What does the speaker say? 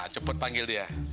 cepet panggil dia